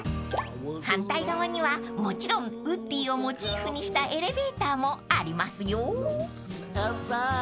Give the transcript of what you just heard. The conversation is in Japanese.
［反対側にはもちろんウッディをモチーフにしたエレベーターもありますよ］